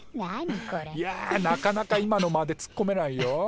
いやなかなか今の間でツッコめないよ。